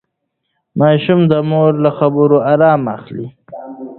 ماشوم د مور له خبرې ارام اخلي.